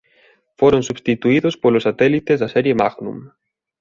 Foron substituídos polos satélites da serie Magnum.